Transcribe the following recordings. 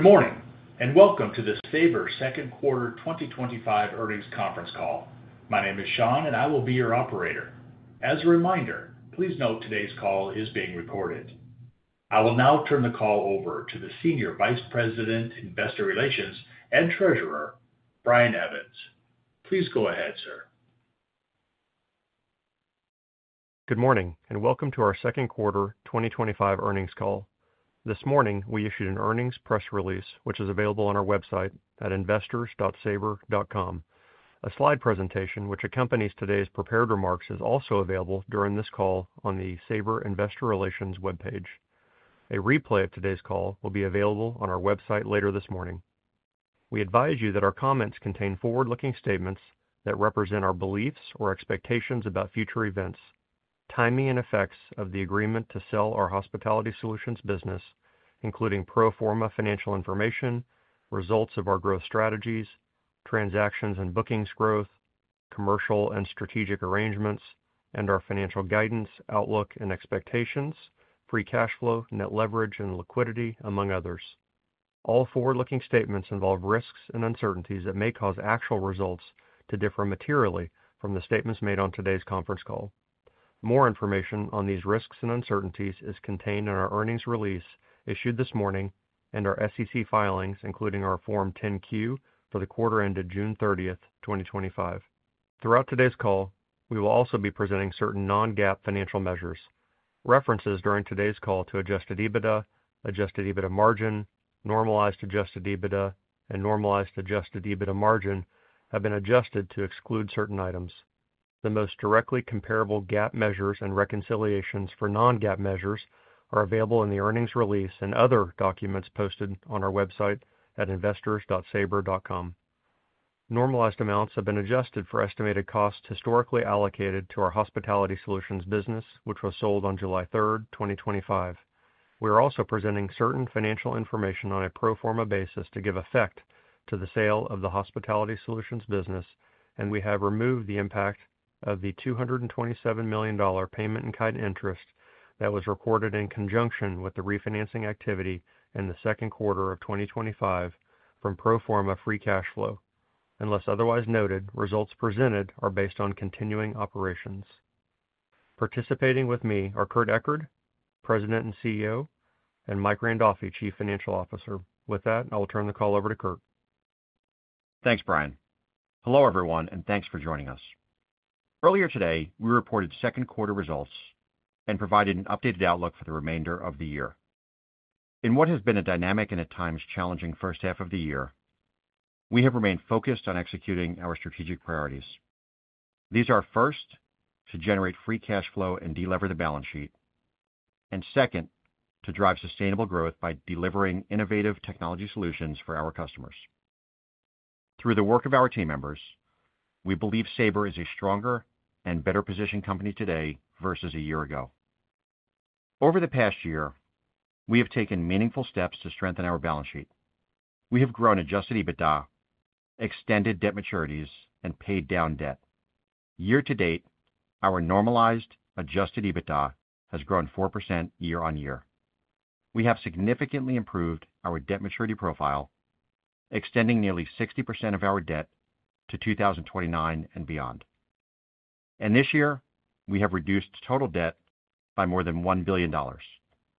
Good morning and welcome to this Sabre Second Quarter 2025 Earnings Conference Call. My name is Sean, and I will be your operator. As a reminder, please note today's call is being recorded. I will now turn the call over to the Senior Vice President, Investor Relations and Treasurer, Brian Evans. Please go ahead, sir. Good morning and welcome to our Second Quarter 2025 Earnings Call. This morning, we issued an earnings press release, which is available on our website at investors.sabre.com. A slide presentation which accompanies today's prepared remarks is also available during this call on the Sabre Investor Relations webpage. A replay of today's call will be available on our website later this morning. We advise you that our comments contain forward-looking statements that represent our beliefs or expectations about future events, timing and effects of the agreement to sell our Hospitality Solutions business, including pro forma financial information, results of our growth strategies, transactions and bookings growth, commercial and strategic arrangements, and our financial guidance, outlook, and expectations, free cash flow, net leverage, and liquidity, among others. All forward-looking statements involve risks and uncertainties that may cause actual results to differ materially from the statements made on today's conference call. More information on these risks and uncertainties is contained in our earnings release issued this morning and our SEC filings, including our Form 10-Q for the quarter ended June 30, 2025. Throughout today's call, we will also be presenting certain non-GAAP financial measures. References during today's call to adjusted EBITDA, adjusted EBITDA margin, normalized adjusted EBITDA, and normalized adjusted EBITDA margin have been adjusted to exclude certain items. The most directly comparable GAAP measures and reconciliations for non-GAAP measures are available in the earnings release and other documents posted on our website at investors.sabre.com. Normalized amounts have been adjusted for estimated costs historically allocated to our Hospitality Solutions business, which was sold on July 3, 2025. We are also presenting certain financial information on a pro forma basis to give effect to the sale of the Hospitality Solutions business, and we have removed the impact of the $227 million payment in kind interest that was recorded in conjunction with the refinancing activity in the second quarter of 2025 from pro forma free cash flow. Unless otherwise noted, results presented are based on continuing operations. Participating with me are Kurt Ekert, President and CEO, and Mike Randolfi, Chief Financial Officer. With that, I will turn the call over to Kurt. Thanks, Brian. Hello everyone, and thanks for joining us. Earlier today, we reported second quarter results and provided an updated outlook for the remainder of the year. In what has been a dynamic and at times challenging first half of the year, we have remained focused on executing our strategic priorities. These are first, to generate free cash flow and deliver the balance sheet, and second, to drive sustainable growth by delivering innovative technology solutions for our customers. Through the work of our team members, we believe Sabre is a stronger and better positioned company today versus a year ago. Over the past year, we have taken meaningful steps to strengthen our balance sheet. We have grown adjusted EBITDA, extended debt maturities, and paid down debt. Year to date, our normalized adjusted EBITDA has grown 4% year-on-year. We have significantly improved our debt maturity profile, extending nearly 60% of our debt to 2029 and beyond. This year, we have reduced total debt by more than $1 billion,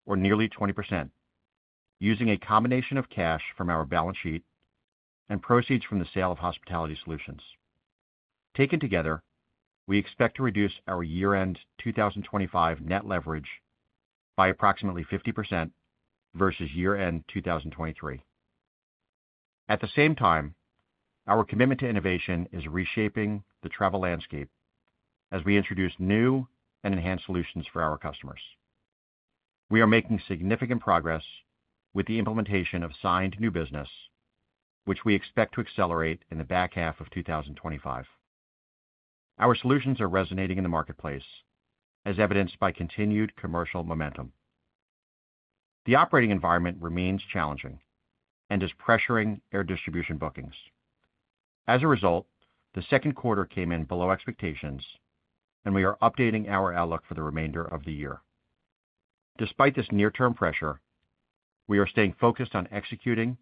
or nearly 20%, using a combination of cash from our balance sheet and proceeds from the sale of Hospitality Solutions. Taken together, we expect to reduce our year-end 2025 net leverage by approximately 50% versus year-end 2023. At the same time, our commitment to innovation is reshaping the travel landscape as we introduce new and enhanced solutions for our customers. We are making significant progress with the implementation of signed new business, which we expect to accelerate in the back half of 2025. Our solutions are resonating in the marketplace, as evidenced by continued commercial momentum. The operating environment remains challenging and is pressuring air distribution bookings. As a result, the second quarter came in below expectations, and we are updating our outlook for the remainder of the year. Despite this near-term pressure, we are staying focused on executing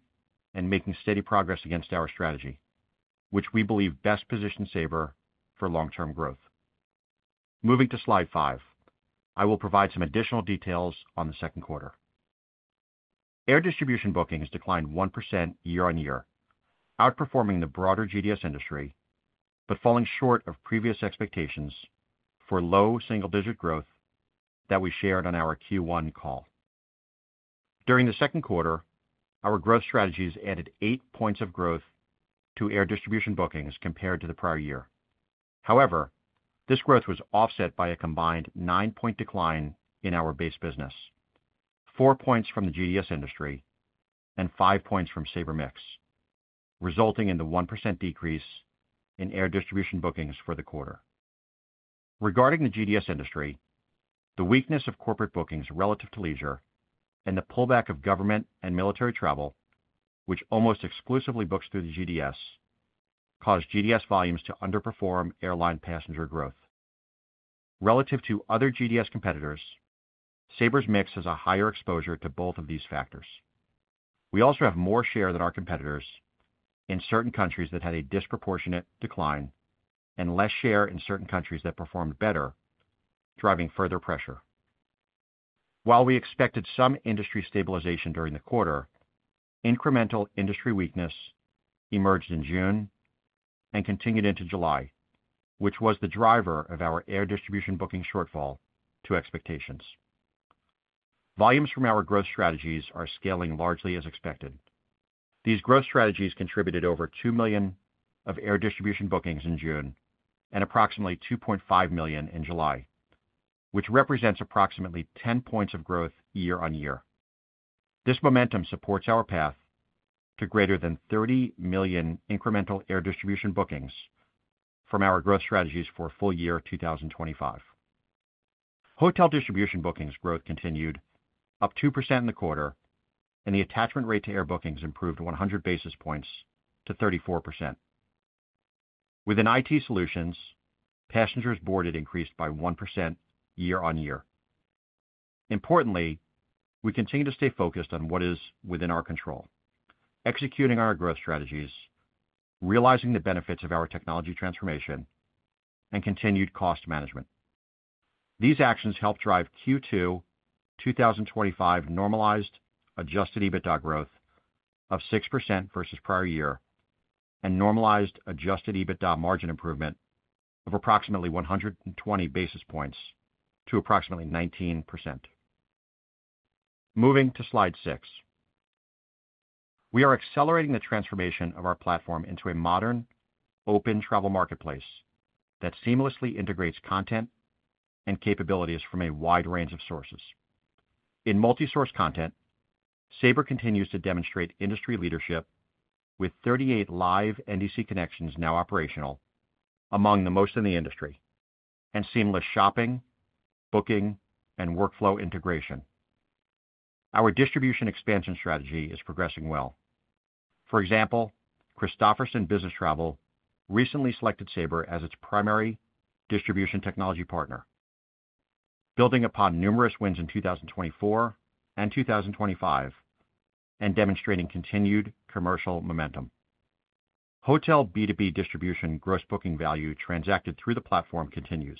and making steady progress against our strategy, which we believe best positions Sabre for long-term growth. Moving to slide five, I will provide some additional details on the second quarter. Air distribution bookings declined 1% year-on-year, outperforming the broader GDS industry, but falling short of previous expectations for low single-digit growth that we shared on our Q1 call. During the second quarter, our growth strategies added eight points of growth to air distribution bookings compared to the prior year. However, this growth was offset by a combined nine-point decline in our base business, four points from the GDS industry and five points from Sabre mix, resulting in the 1% decrease in air distribution bookings for the quarter. Regarding the GDS industry, the weakness of corporate bookings relative to leisure and the pullback of government and military travel, which almost exclusively books through the GDS, caused GDS volumes to underperform airline passenger growth. Relative to other GDS competitors, Sabre's mix has a higher exposure to both of these factors. We also have more share than our competitors in certain countries that had a disproportionate decline and less share in certain countries that performed better, driving further pressure. While we expected some industry stabilization during the quarter, incremental industry weakness emerged in June and continued into July, which was the driver of our air distribution booking shortfall to expectations. Volumes from our growth strategies are scaling largely as expected. These growth strategies contributed over 2 million of air distribution bookings in June and approximately 2.5 million in July, which represents approximately 10% of growth year-on-year. This momentum supports our path to greater than 30 million incremental air distribution bookings from our growth strategies for full year 2025. Hotel distribution bookings growth continued, up 2% in the quarter, and the attachment rate to air bookings improved 100 basis points to 34%. Within IT solutions, passengers boarded increased by 1% year-on-year. Importantly, we continue to stay focused on what is within our control, executing our growth strategies, realizing the benefits of our technology transformation, and continued cost management. These actions help drive Q2 2025 normalized adjusted EBITDA growth of 6% versus prior year and normalized adjusted EBITDA margin improvement of approximately 120 basis points to approximately 19%. Moving to slide six, we are accelerating the transformation of our platform into a modern, open travel marketplace that seamlessly integrates content and capabilities from a wide range of sources. In multi-source content, Sabre continues to demonstrate industry leadership with 38 live NDC connections now operational, among the most in the industry, and seamless shopping, booking, and workflow integration. Our distribution expansion strategy is progressing well. For example, Christopherson Business Travel recently selected Sabre as its primary distribution technology partner, building upon numerous wins in 2024 and 2025 and demonstrating continued commercial momentum. Hotel B2B distribution gross booking value transacted through the platform continues,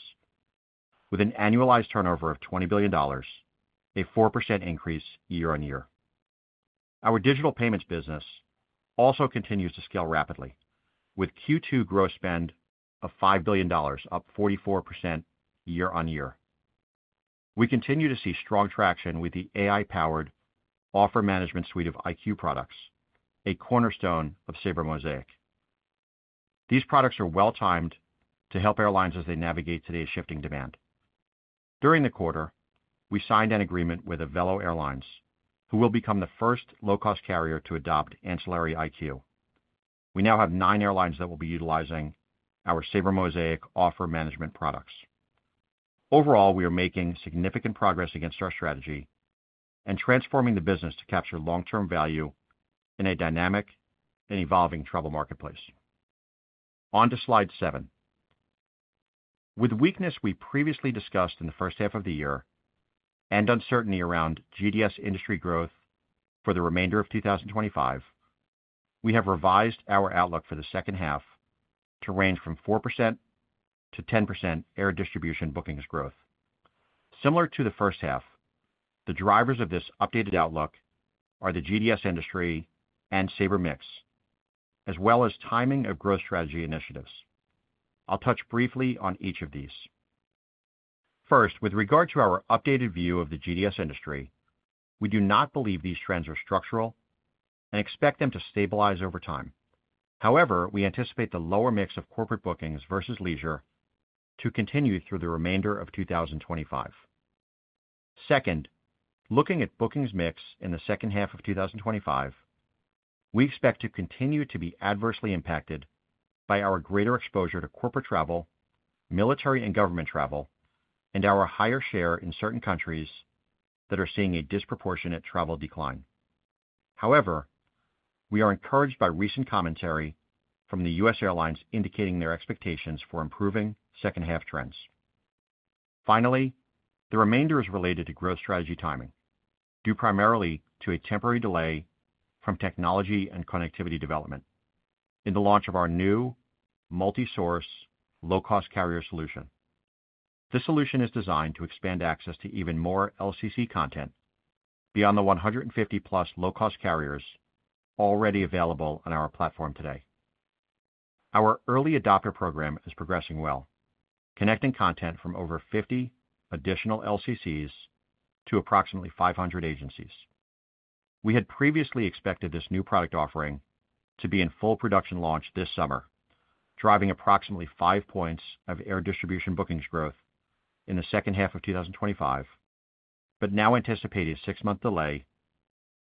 with an annualized turnover of $20 billion, a 4% increase year-on-year. Our digital payments business also continues to scale rapidly, with Q2 gross spend of $5 billion, up 44% year-on-year. We continue to see strong traction with the AI-powered offer management suite of IQ products, a cornerstone of Sabre Mosaic. These products are well-timed to help airlines as they navigate today's shifting demand. During the quarter, we signed an agreement with Avelo Airlines, who will become the first low-cost carrier to adopt Ancillary IQ. We now have nine airlines that will be utilizing our Sabre Mosaic Offer Management products. Overall, we are making significant progress against our strategy and transforming the business to capture long-term value in a dynamic and evolving travel marketplace. On to slide seven. With weakness we previously discussed in the first half of the year and uncertainty around GDS industry growth for the remainder of 2025, we have revised our outlook for the second half to range from 4%-10% air distribution bookings growth. Similar to the first half, the drivers of this updated outlook are the GDS industry and Sabre mix, as well as timing of growth strategy initiatives. I'll touch briefly on each of these. First, with regard to our updated view of the GDS industry, we do not believe these trends are structural and expect them to stabilize over time. However, we anticipate the lower mix of corporate bookings versus leisure to continue through the remainder of 2025. Second, looking at bookings mix in the second half of 2025, we expect to continue to be adversely impacted by our greater exposure to corporate travel, military and government travel, and our higher share in certain countries that are seeing a disproportionate travel decline. However, we are encouraged by recent commentary from the U.S. airlines indicating their expectations for improving second-half trends. Finally, the remainder is related to growth strategy timing, due primarily to a temporary delay from technology and connectivity development in the launch of our new multi-source low-cost carrier solution. This solution is designed to expand access to even more LCC content beyond the +150 low-cost carriers already available on our platform today. Our early adopter program is progressing well, connecting content from over 50 additional LCCs to approximately 500 agencies. We had previously expected this new product offering to be in full production launch this summer, driving approximately 5 points of air distribution bookings growth in the second half of 2025, but now anticipating a six-month delay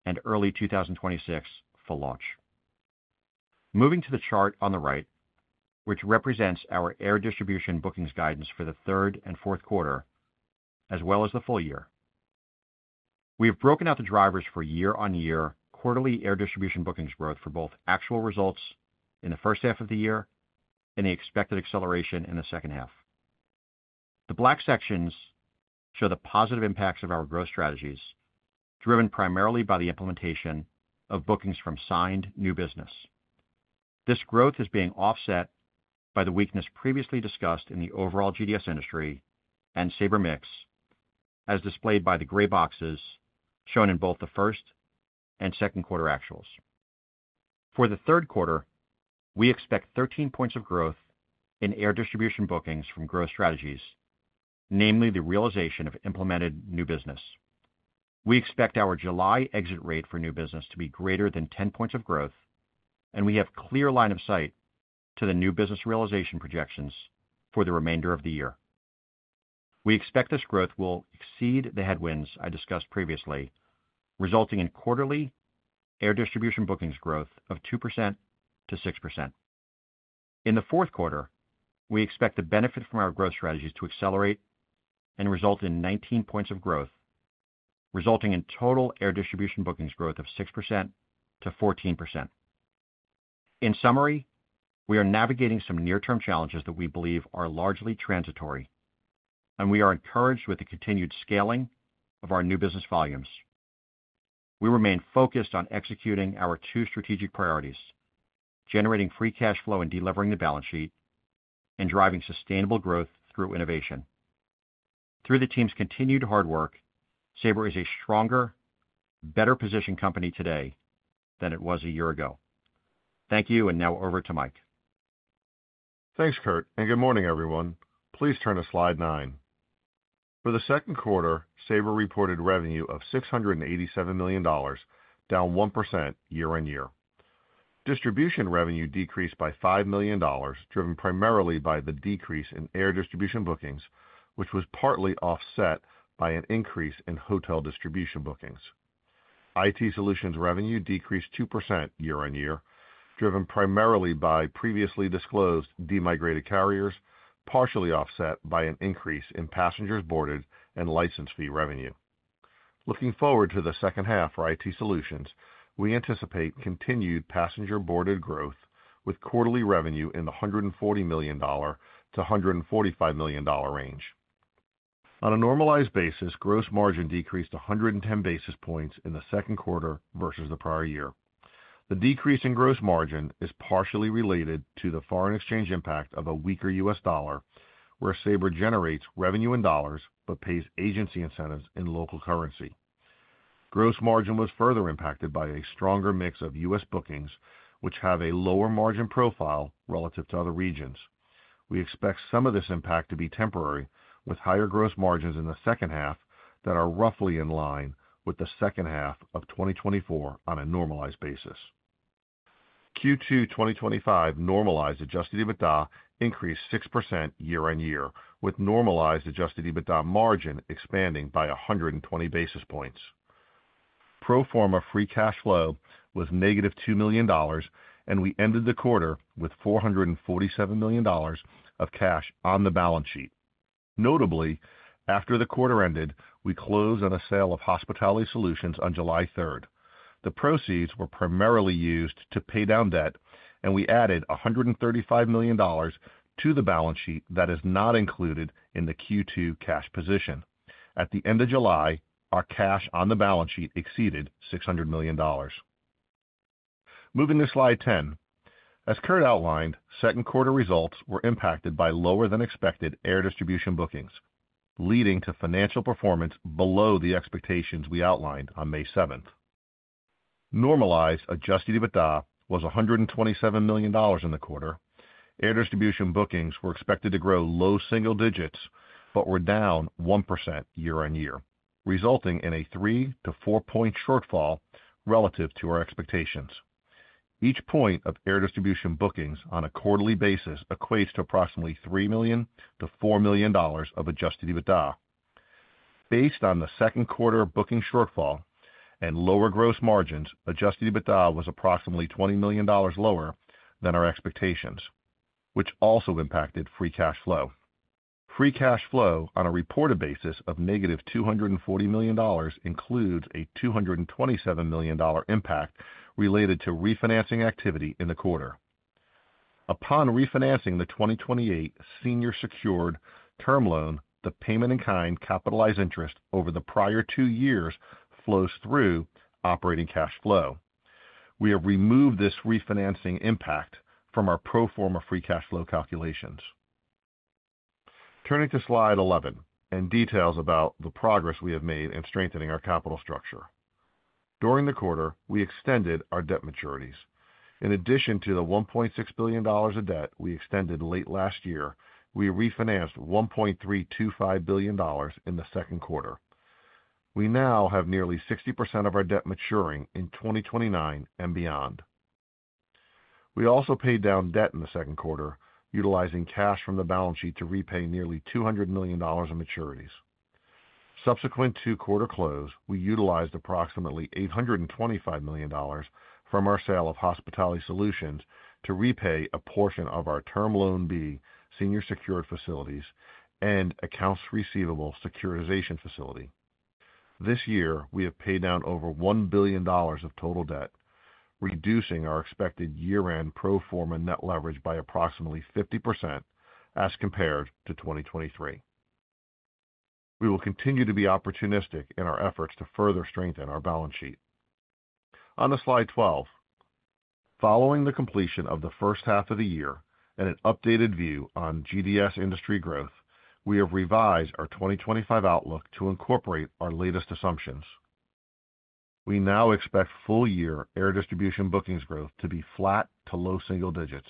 and early 2026 full launch. Moving to the chart on the right, which represents our air distribution bookings guidance for the third and fourth quarter, as well as the full year, we have broken out the drivers for year-on-year quarterly air distribution bookings growth for both actual results in the first half of the year and the expected acceleration in the second half. The black sections show the positive impacts of our growth strategies, driven primarily by the implementation of bookings from signed new business. This growth is being offset by the weakness previously discussed in the overall GDS industry and Sabre mix, as displayed by the gray boxes shown in both the first and second quarter actuals. For the third quarter, we expect 13 points of growth in air distribution bookings from growth strategies, namely the realization of implemented new business. We expect our July exit rate for new business to be greater than 10 points of growth, and we have clear line of sight to the new business realization projections for the remainder of the year. We expect this growth will exceed the headwinds I discussed previously, resulting in quarterly air distribution bookings growth of 2% to 6%. In the fourth quarter, we expect the benefit from our growth strategies to accelerate and result in 19 points of growth, resulting in total air distribution bookings growth of 6% to 14%. In summary, we are navigating some near-term challenges that we believe are largely transitory, and we are encouraged with the continued scaling of our new business volumes. We remain focused on executing our two strategic priorities, generating free cash flow and delivering the balance sheet, and driving sustainable growth through innovation. Through the team's continued hard work, Sabre is a stronger, better-positioned company today than it was a year ago. Thank you, and now over to Mike. Thanks, Kurt, and good morning, everyone. Please turn to slide nine. For the second quarter, Sabre reported revenue of $687 million, down 1% year-on-year. Distribution revenue decreased by $5 million, driven primarily by the decrease in air distribution bookings, which was partly offset by an increase in hotel distribution bookings. IT solutions revenue decreased 2% year-on-year, driven primarily by previously disclosed de-migrated carriers, partially offset by an increase in passengers boarded and license fee revenue. Looking forward to the second half for IT solutions, we anticipate continued passenger boarded growth with quarterly revenue in the $140 million to $145 million range. On a normalized basis, gross margin decreased 110 basis points in the second quarter versus the prior year. The decrease in gross margin is partially related to the foreign exchange impact of a weaker U.S. dollar, where Sabre generates revenue in dollars but pays agency incentives in local currency. Gross margin was further impacted by a stronger mix of U.S. bookings, which have a lower margin profile relative to other regions. We expect some of this impact to be temporary, with higher gross margins in the second half that are roughly in line with the second half of 2024 on a normalized basis. Q2 2025 normalized adjusted EBITDA increased 6% year-on-year, with normalized adjusted EBITDA margin expanding by 120 basis points. Pro forma free cash flow was -$2 million, and we ended the quarter with $447 million of cash on the balance sheet. Notably, after the quarter ended, we closed on a sale of Hospitality Solutions on July 3, the proceeds were primarily used to pay down debt, and we added $135 million to the balance sheet that is not included in the Q2 cash position. At the end of July, our cash on the balance sheet exceeded $600 million. Moving to slide 10, as Kurt outlined, second quarter results were impacted by lower than expected air distribution bookings, leading to financial performance below the expectations we outlined on May 7. Normalized adjusted EBITDA was $127 million in the quarter. Air distribution bookings were expected to grow low-single-digits but were down 1% year-on-year, resulting in a 3-4 point shortfall relative to our expectations. Each point of air distribution bookings on a quarterly basis equates to approximately $3 million-$4 million of adjusted EBITDA. Based on the second quarter booking shortfall and lower gross margins, adjusted EBITDA was approximately $20 million lower than our expectations, which also impacted free cash flow. Free cash flow on a reported basis of -$240 million includes a $227 million impact related to refinancing activity in the quarter. Upon refinancing the 2028 senior secured term loan, the payment in kind capitalized interest over the prior two years flows through operating cash flow. We have removed this refinancing impact from our pro forma free cash flow calculations. Turning to slide 11 and details about the progress we have made in strengthening our capital structure. During the quarter, we extended our debt maturities. In addition to the $1.6 billion of debt we extended late last year, we refinanced $1.325 billion in the second quarter. We now have nearly 60% of our debt maturing in 2029 and beyond. We also paid down debt in the second quarter, utilizing cash from the balance sheet to repay nearly $200 million in maturities. Subsequent to quarter close, we utilized approximately $825 million from our sale of Hospitality Solutions to repay a portion of our Term Loan B, senior secured facilities, and accounts receivable securitization facility. This year, we have paid down over $1 billion of total debt, reducing our expected year-end pro forma net leverage by approximately 50% as compared to 2023. We will continue to be opportunistic in our efforts to further strengthen our balance sheet. On to slide 12. Following the completion of the first half of the year and an updated view on GDS industry growth, we have revised our 2025 outlook to incorporate our latest assumptions. We now expect full-year air distribution bookings growth to be flat to low-single-digits.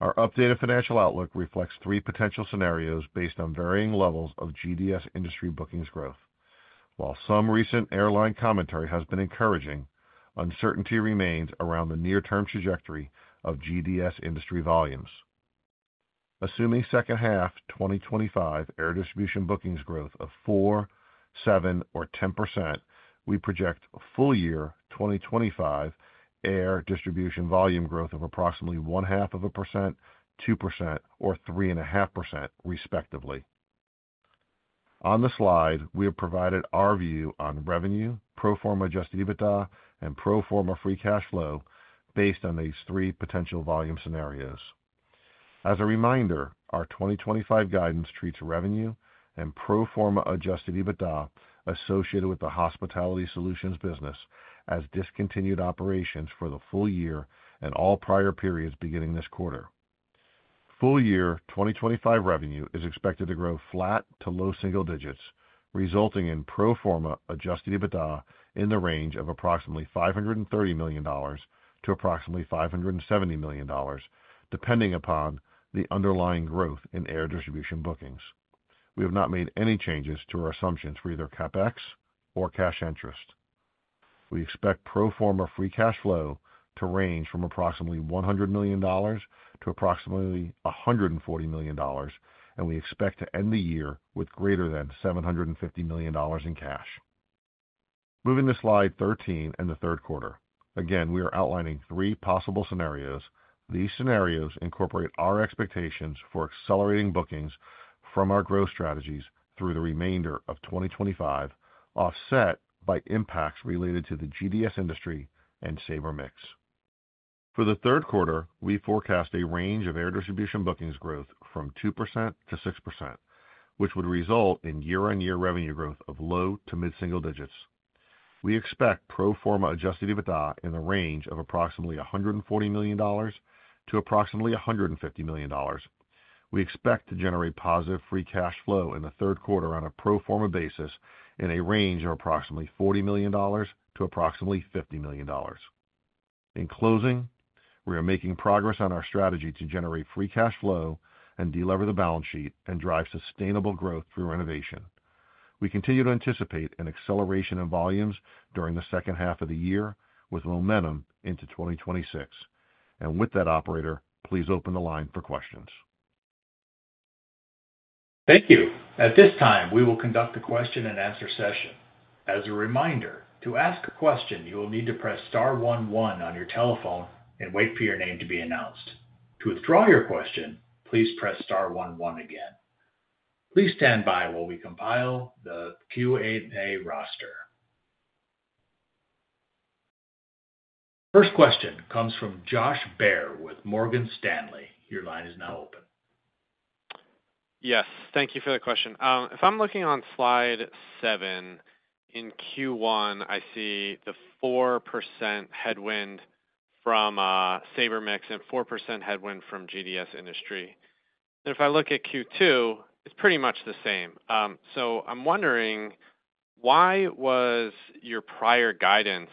Our updated financial outlook reflects three potential scenarios based on varying levels of GDS industry bookings growth. While some recent airline commentary has been encouraging, uncertainty remains around the near-term trajectory of GDS industry volumes. Assuming second half 2025 air distribution bookings growth of 4%, 7%, or 10%, we project full-year 2025 air distribution volume growth of approximately 0.5%, 2%, or 3.5%, respectively. On the slide, we have provided our view on revenue, pro forma adjusted EBITDA, and pro forma free cash flow based on these three potential volume scenarios. As a reminder, our 2025 guidance treats revenue and pro forma adjusted EBITDA associated with the Hospitality Solutions business as discontinued operations for the full year and all prior periods beginning this quarter. Full-year 2025 revenue is expected to grow flat to low-single-digits, resulting in pro forma adjusted EBITDA in the range of approximately $530 million to approximately $570 million, depending upon the underlying growth in air distribution bookings. We have not made any changes to our assumptions for either CapEx or cash interest. We expect pro forma free cash flow to range from approximately $100 million to approximately $140 million, and we expect to end the year with greater than $750 million in cash. Moving to slide 13 and the third quarter, we are outlining three possible scenarios. These scenarios incorporate our expectations for accelerating bookings from our growth strategies through the remainder of 2025, offset by impacts related to the GDS industry and Sabre mix. For the third quarter, we forecast a range of air distribution bookings growth from 2% to 6%, which would result in year-on-year revenue growth of low to mid-single-digits. We expect pro forma adjusted EBITDA in the range of approximately $140 million to approximately $150 million. We expect to generate positive free cash flow in the third quarter on a pro forma basis in a range of approximately $40 million to approximately $50 million. In closing, we are making progress on our strategy to generate free cash flow, deliver the balance sheet, and drive sustainable growth through innovation. We continue to anticipate an acceleration in volumes during the second half of the year with momentum into 2026. With that, operator, please open the line for questions. Thank you. At this time, we will conduct the question and answer session. As a reminder, to ask a question, you will need to press star one one on your telephone and wait for your name to be announced. To withdraw your question, please press star one one again. Please stand by while we compile the Q&A roster. First question comes from Josh Baer with Morgan Stanley. Your line is now open. Yes, thank you for the question. If I'm looking on slide seven, in Q1, I see the 4% headwind from Sabre mix and 4% headwind from GDS industry. If I look at Q2, it's pretty much the same. I'm wondering, why was your prior guidance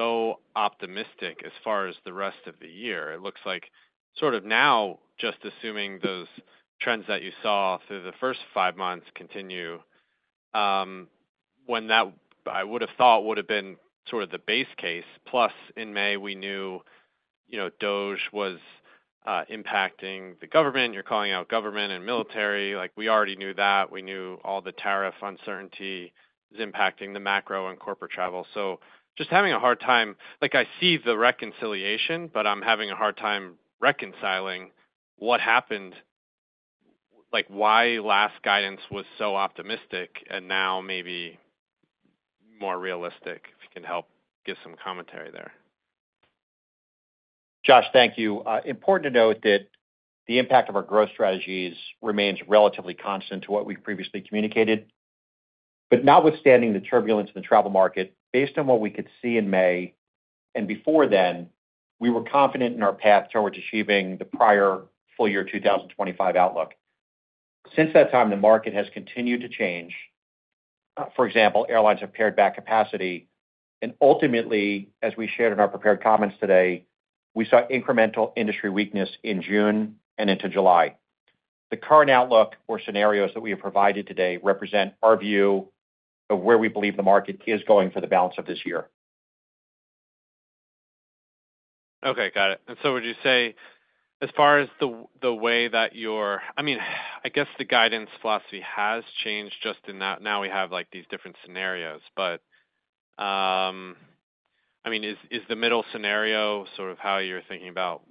so optimistic as far as the rest of the year? It looks like sort of now, just assuming those trends that you saw through the first five months continue, when that I would have thought would have been sort of the base case. Plus, in May, we knew, you know, [Doge] was impacting the government. You're calling out government and military. We already knew that. We knew all the tariff uncertainty is impacting the macro and corporate travel. I'm having a hard time, like I see the reconciliation, but I'm having a hard time reconciling what happened, like why last guidance was so optimistic and now maybe more realistic, if you can help give some commentary there. Josh, thank you. Important to note that the impact of our growth strategies remains relatively constant to what we've previously communicated. Notwithstanding the turbulence in the travel market, based on what we could see in May and before then, we were confident in our path towards achieving the prior full-year 2025 outlook. Since that time, the market has continued to change. For example, airlines have pared back capacity. Ultimately, as we shared in our prepared comments today, we saw incremental industry weakness in June and into July. The current outlook or scenarios that we have provided today represent our view of where we believe the market is going for the balance of this year. Okay, got it. Would you say, as far as the way that you're, I mean, I guess the guidance philosophy has changed just in that now we have these different scenarios, but is the middle scenario sort of how you're thinking about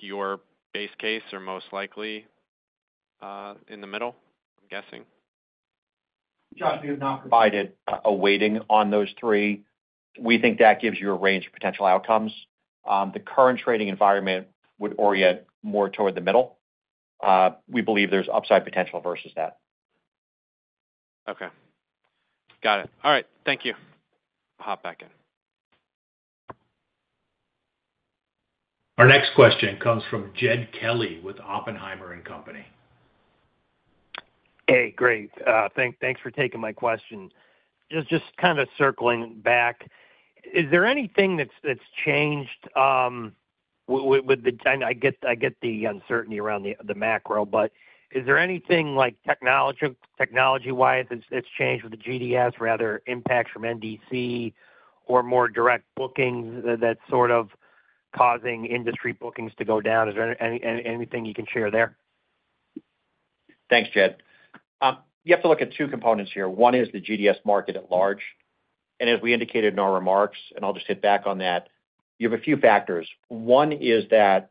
your base case or most likely in the middle, I'm guessing? Josh, we have not provided a weighting on those three. We think that gives you a range of potential outcomes. The current trading environment would orient more toward the middle. We believe there's upside potential versus that. Okay. Got it. All right, thank you. I'll hop back in. Our next question comes from Jed Kelly with Oppenheimer & Company. Hey, great. Thanks for taking my question. Just kind of circling back. Is there anything that's changed with the, and I get the uncertainty around the macro, but is there anything like technology-wise that's changed with the GDS, rather impacts from NDC or more direct bookings that's sort of causing industry bookings to go down? Is there anything you can share there? Thanks, Jed. You have to look at two components here. One is the GDS market at large. As we indicated in our remarks, and I'll just hit back on that, you have a few factors. One is that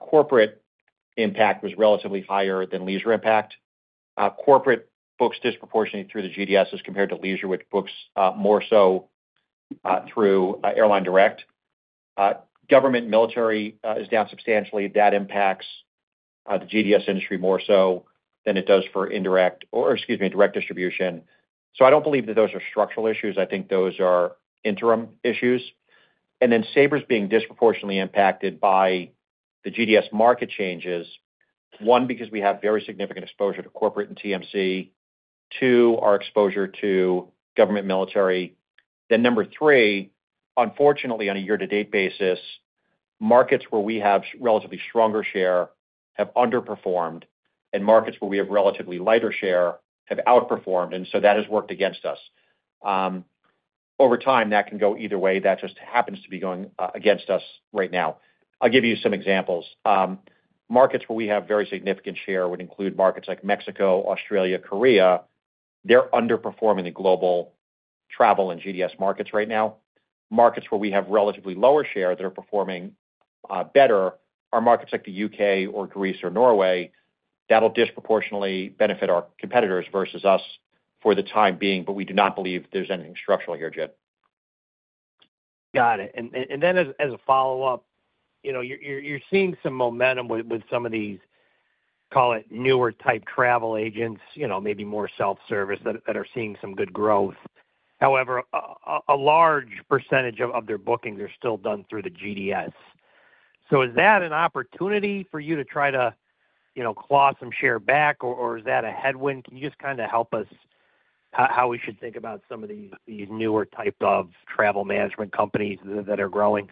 corporate impact was relatively higher than leisure impact. Corporate books disproportionately through the GDS as compared to leisure, which books more so through airline direct. Government and military is down substantially. That impacts the GDS industry more so than it does for direct distribution. I don't believe that those are structural issues. I think those are interim issues. Sabre is being disproportionately impacted by the GDS market changes. One, because we have very significant exposure to corporate TMC. Two, our exposure to government military. Number three, unfortunately, on a year-to-date basis, markets where we have relatively stronger share have underperformed, and markets where we have relatively lighter share have outperformed. That has worked against us. Over time, that can go either way. That just happens to be going against us right now. I'll give you some examples. Markets where we have very significant share would include markets like Mexico, Australia, Korea. They're underperforming the global travel and GDS markets right now. Markets where we have relatively lower share that are performing better are markets like the U.K. or Greece or Norway. That'll disproportionately benefit our competitors versus us for the time being, but we do not believe there's anything structural here, Jed. Got it. As a follow-up, you know you're seeing some momentum with some of these, call it newer type travel agents, you know maybe more self-service that are seeing some good growth. However, a large percentage of their bookings are still done through the GDS. Is that an opportunity for you to try to, you know, claw some share back, or is that a headwind? Can you just kind of help us how we should think about some of these newer types of travel management companies that are growing?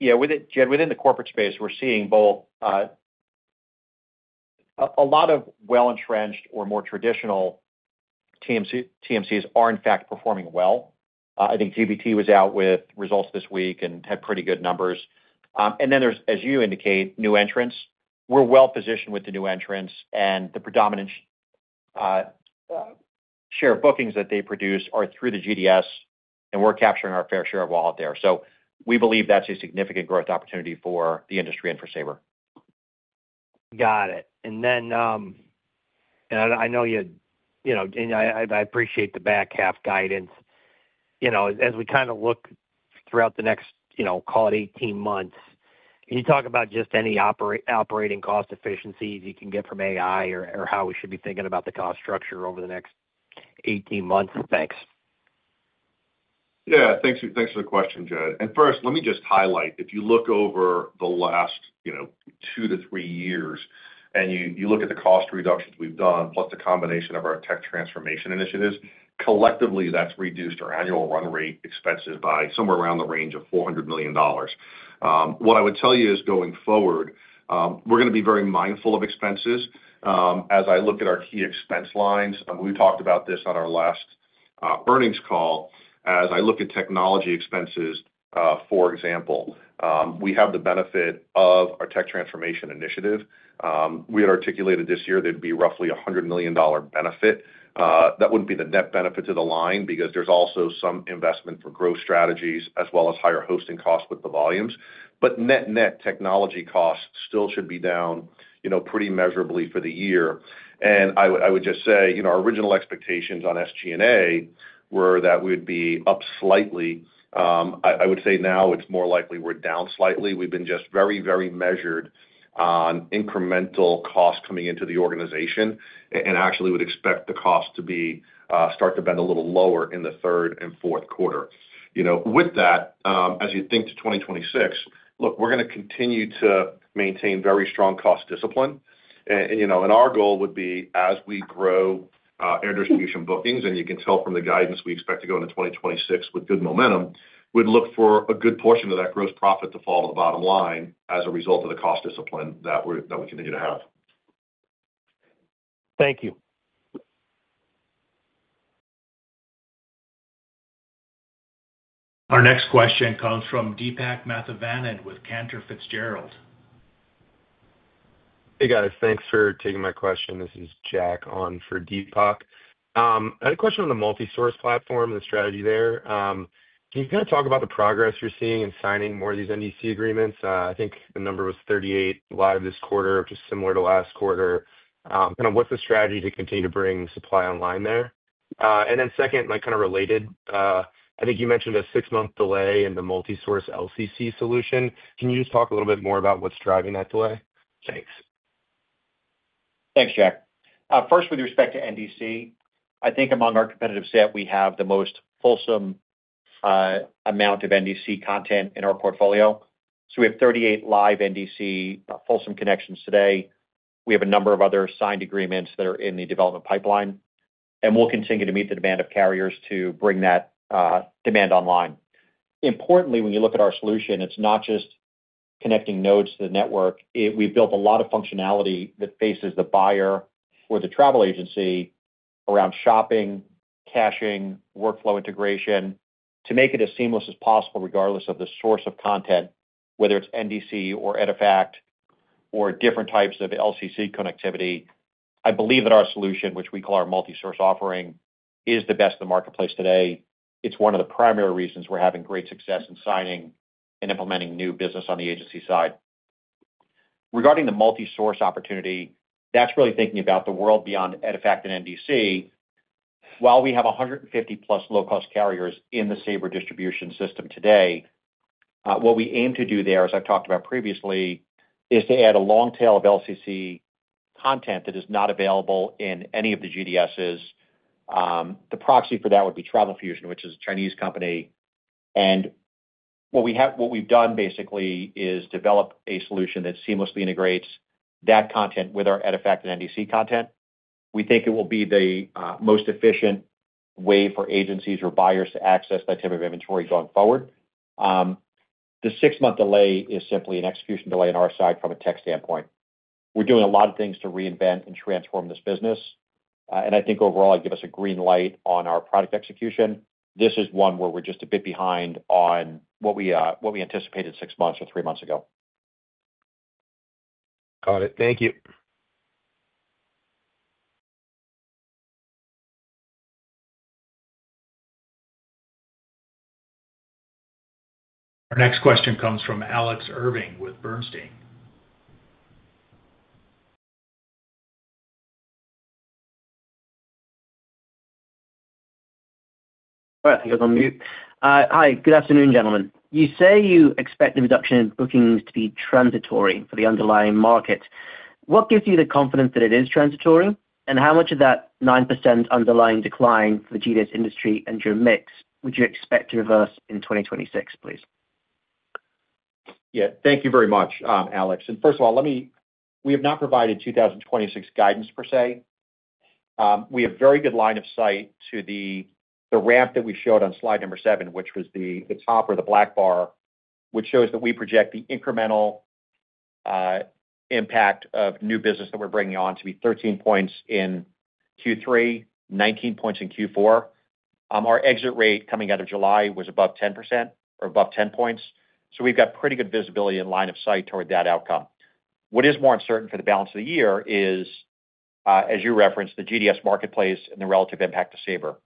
Yeah, with it, Jed, within the corporate space, we're seeing both a lot of well-entrenched or more traditional TMCs are in fact performing well. I think GBT was out with results this week and had pretty good numbers. There's, as you indicate, new entrants. We're well positioned with the new entrants, and the predominant share of bookings that they produce are through the GDS, and we're capturing our fair share of all of there. We believe that's a significant growth opportunity for the industry and for Sabre. Got it. I know you, you know, and I appreciate the back half guidance. As we kind of look throughout the next, you know, call it 18 months, can you talk about just any operating cost efficiencies you can get from AI or how we should be thinking about the cost structure over the next 18 months? Thanks. Yeah, thanks for the question, Jed. First, let me just highlight, if you look over the last two to three years, and you look at the cost reductions we've done, plus the combination of our tech transformation initiatives, collectively, that's reduced our annual run rate expenses by somewhere around the range of $400 million. What I would tell you is going forward, we're going to be very mindful of expenses. As I look at our key expense lines, and we talked about this on our last earnings call, as I look at technology expenses, for example, we have the benefit of our tech transformation initiative. We had articulated this year there'd be roughly a $100 million benefit. That wouldn't be the net benefit to the line because there's also some investment for growth strategies, as well as higher hosting costs with the volumes. Net net, technology costs still should be down pretty measurably for the year. I would just say our original expectations on SG&A were that we would be up slightly. I would say now it's more likely we're down slightly. We've been just very, very measured on incremental costs coming into the organization and actually would expect the costs to start to bend a little lower in the third and fourth quarter. With that, as you think to 2026, look, we're going to continue to maintain very strong cost discipline. Our goal would be as we grow air distribution bookings, and you can tell from the guidance we expect to go into 2026 with good momentum, we'd look for a good portion of that gross profit to fall to the bottom line as a result of the cost discipline that we continue to have. Thank you. Our next question comes from Deepak Mathivanan with Cantor Fitzgerald. Hey, got it. Thanks for taking my question. This is Jack on for Deepak. I had a question on the multi-source platform and the strategy there. Can you kind of talk about the progress you're seeing in signing more of these NDC agreements? I think the number was 38 live this quarter, which is similar to last quarter. What's the strategy to continue to bring supply online there? Second, kind of related, I think you mentioned a six-month delay in the multi-source LCC solution. Can you just talk a little bit more about what's driving that delay? Thanks. Thanks, Jack. First, with respect to NDC, I think among our competitive set, we have the most wholesome amount of NDC content in our portfolio. We have 38 live NDC wholesome connections today. We have a number of other signed agreements that are in the development pipeline, and we'll continue to meet the demand of carriers to bring that demand online. Importantly, when you look at our solution, it's not just connecting nodes to the network. We've built a lot of functionality that faces the buyer or the travel agency around shopping, caching, workflow integration to make it as seamless as possible regardless of the source of content, whether it's NDC or EDIFACT or different types of LCC connectivity. I believe that our solution, which we call our multi-source offering, is the best in the marketplace today. It's one of the primary reasons we're having great success in signing and implementing new business on the agency side. Regarding the multi-source opportunity, that's really thinking about the world beyond EDIFACT and NDC. While we have +150 low-cost carriers in the Sabre distribution system today, what we aim to do there, as I've talked about previously, is to add a long tail of LCC content that is not available in any of the GDSs. The proxy for that would be Travelfusion, which is a Chinese company. What we've done basically is develop a solution that seamlessly integrates that content with our EDIFACT and NDC content. We think it will be the most efficient way for agencies or buyers to access that type of inventory going forward. The six-month delay is simply an execution delay on our side from a tech standpoint. We're doing a lot of things to reinvent and transform this business. I think overall, it gives us a green light on our product execution. This is one where we're just a bit behind on what we anticipated six months or three months ago. Got it. Thank you. Our next question comes from Alex Irving with Bernstein. I think he's on mute. Hi, good afternoon, gentlemen. You say you expect the reduction in bookings to be transitory for the underlying market. What gives you the confidence that it is transitory? How much of that 9% underlying decline for the GDS industry and your mix would you expect to reverse in 2026, please? Yeah, thank you very much, Alex. First of all, we have not provided 2026 guidance per se. We have a very good line of sight to the ramp that we showed on slide number seven, which was the top or the black bar, which shows that we project the incremental impact of new business that we're bringing on to be 13 points in Q3, 19 points in Q4. Our exit rate coming out of July was above 10% or above 10 points. We have pretty good visibility and line of sight toward that outcome. What is more uncertain for the balance of the year is, as you referenced, the GDS industry marketplace and the relative impact to Sabre.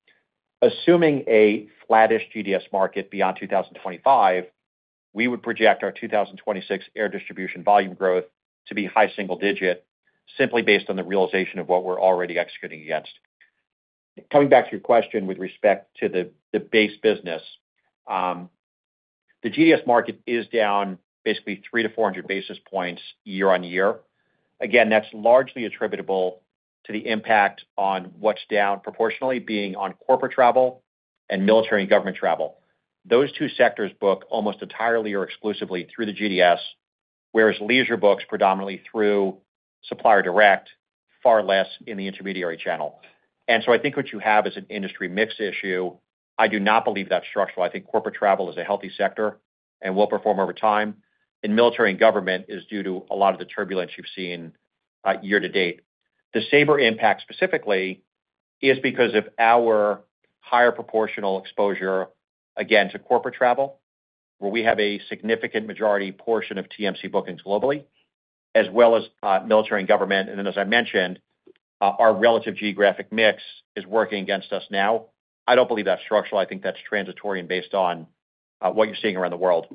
Assuming a flattish GDS industry market beyond 2025, we would project our 2026 air distribution volume growth to be high single digit, simply based on the realization of what we're already executing against. Coming back to your question with respect to the base business, the GDS industry market is down basically 300-400 basis points year-on-year. That is largely attributable to the impact on what's down proportionately being on corporate travel and military and government travel. Those two sectors book almost entirely or exclusively through the GDS industry, whereas leisure books predominantly through supplier direct, far less in the intermediary channel. I think what you have is an industry mix issue. I do not believe that's structural. I think corporate travel is a healthy sector and will perform over time. Military and government is due to a lot of the turbulence you've seen year to date. The Sabre impact specifically is because of our higher proportional exposure, again, to corporate travel, where we have a significant majority portion of TMC bookings globally, as well as military and government. As I mentioned, our relative geographic mix is working against us now. I don't believe that's structural. I think that's transitory and based on what you're seeing around the world.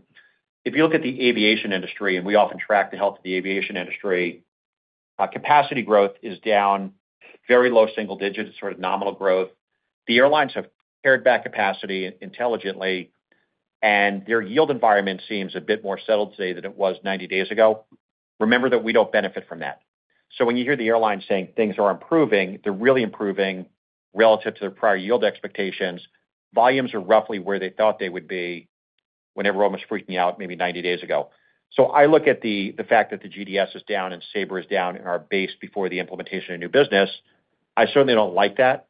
If you look at the aviation industry, and we often track the health of the aviation industry, capacity growth is down very low-single-digits, sort of nominal growth. The airlines have pared back capacity intelligently, and their yield environment seems a bit more settled today than it was 90 days ago. Remember that we don't benefit from that. When you hear the airline saying things are improving, they're really improving relative to their prior yield expectations. Volumes are roughly where they thought they would be when everyone was freaking out maybe 90 days ago. I look at the fact that the GDS industry is down and Sabre is down in our base before the implementation of new business. I certainly don't like that,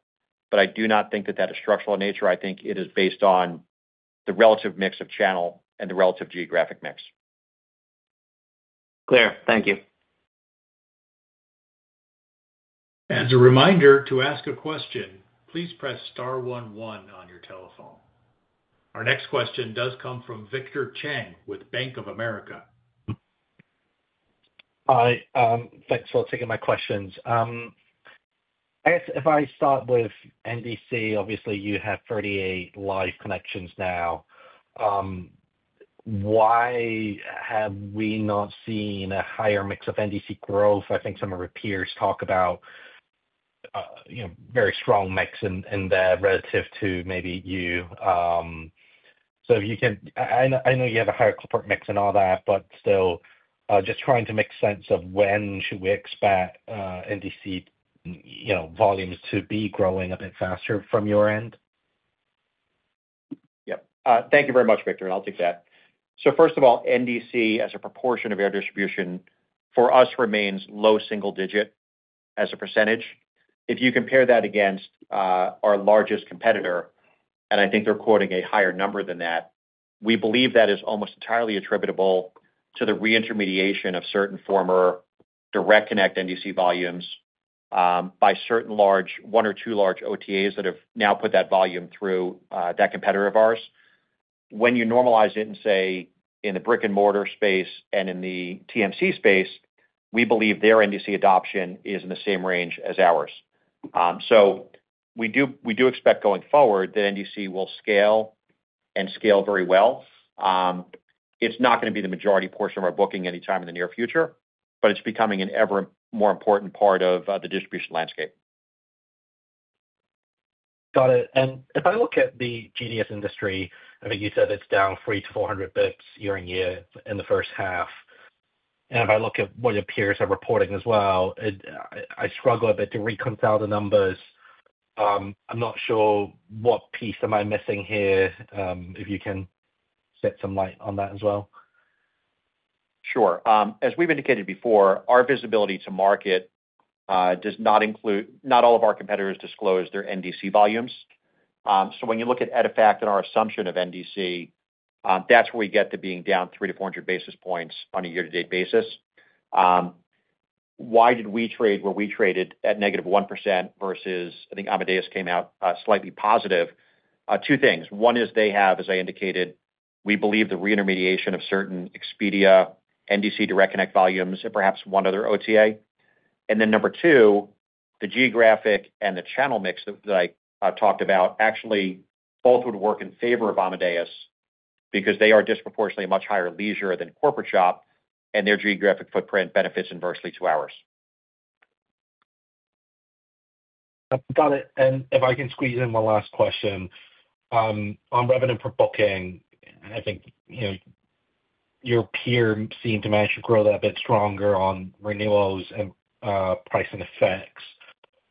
but I do not think that that is structural in nature. I think it is based on the relative mix of channel and the relative geographic mix. Clear. Thank you. As a reminder, to ask a question, please press star one one on your telephone. Our next question does come from Victor Cheng with Bank of America. Thanks for taking my questions. I guess if I start with NDC, obviously you have 38 live connections now. Why have we not seen a higher mix of NDC growth? I think some of our peers talk about, you know, very strong mix in there relative to maybe you. If you can, I know you have a higher corporate mix and all that, but still just trying to make sense of when should we expect NDC, you know, volumes to be growing a bit faster from your end? Thank you very much, Victor. I'll take that. First of all, NDC as a proportion of air distribution for us remains low-single-digit as a percentage. If you compare that against our largest competitor, and I think they're quoting a higher number than that, we believe that is almost entirely attributable to the re-intermediation of certain former Direct Connect NDC volumes by certain large, one or two large OTAs that have now put that volume through that competitor of ours. When you normalize it and say in the brick-and-mortar space and in the TMC space, we believe their NDC adoption is in the same range as ours. We do expect going forward that NDC will scale and scale very well. It's not going to be the majority portion of our booking anytime in the near future, but it's becoming an ever more important part of the distribution landscape. Got it. If I look at the GDS industry, I think you said it's down 300-400 basis points year-in-year in the first half. If I look at what your peers are reporting as well, I struggle a bit to reconcile the numbers. I'm not sure what piece am I missing here, if you can shed some light on that as well. Sure. As we've indicated before, our visibility to market does not include, not all of our competitors disclose their NDC volumes. When you look at EDIFACT and our assumption of NDC, that's where we get to being down 300-400 basis points on a year-to-date basis. Why did we trade where we traded at -1% versus, I think Amadeus came out slightly positive? Two things. One is they have, as I indicated, we believe the re-intermediation of certain Expedia NDC Direct Connect volumes and perhaps one other OTA. Number two, the geographic and the channel mix that I talked about actually both would work in favor of Amadeus because they are disproportionately much higher leisure than corporate shop, and their geographic footprint benefits inversely to ours. Got it. If I can squeeze in one last question, on revenue for booking, I think your peer seemed to match your growth a bit stronger on renewals and pricing effects.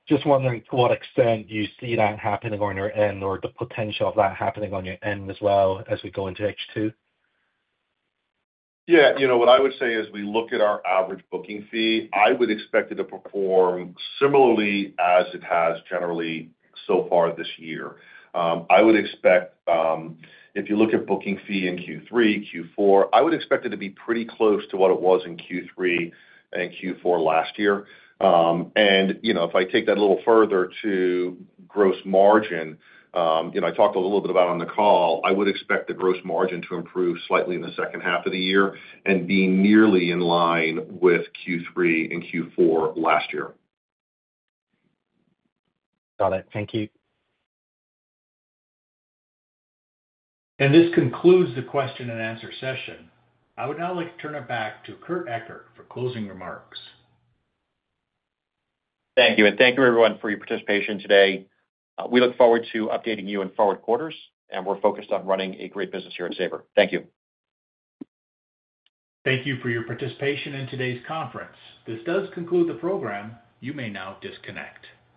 Just wondering to what extent do you see that happening on your end or the potential of that happening on your end as well as we go into H2? Yeah, you know what I would say is we look at our average booking fee. I would expect it to perform similarly as it has generally so far this year. I would expect, if you look at booking fee in Q3, Q4, I would expect it to be pretty close to what it was in Q3 and Q4 last year. If I take that a little further to gross margin, you know I talked a little bit about it on the call, I would expect the gross margin to improve slightly in the second half of the year and be nearly in line with Q3 and Q4 last year. Got it. Thank you. This concludes the question and answer session. I would now like to turn it back to Kurt Ekert for closing remarks. Thank you, and thank you everyone for your participation today. We look forward to updating you in forward quarters, and we're focused on running a great business here at Sabre. Thank you. Thank you for your participation in today's conference. This does conclude the program. You may now disconnect.